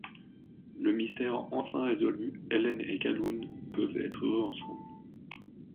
Le mystère enfin résolu, Helen et Calhoun peuvent être heureux ensemble.